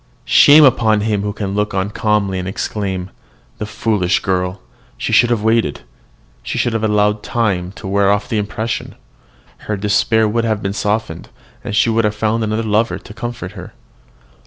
"Shame upon him who can look on calmly, and exclaim, 'The foolish girl! she should have waited; she should have allowed time to wear off the impression; her despair would have been softened, and she would have found another lover to comfort her.'